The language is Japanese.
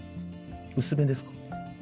薄めですか？